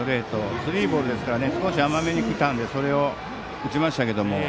スリーボールですから少し甘めにきたんでそれを打ちましたけども。